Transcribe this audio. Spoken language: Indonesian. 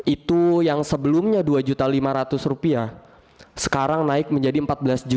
itu yang sebelumnya rp dua lima ratus sekarang naik menjadi rp empat belas